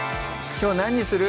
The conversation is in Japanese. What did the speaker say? きょう何にする？